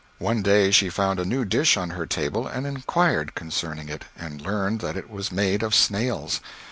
One day she found a new dish on her table and inquired concerning it, and learned that it was made of snails.